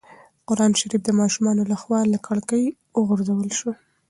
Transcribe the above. قرانشریف د ماشوم له خوا له کړکۍ وغورځول شو.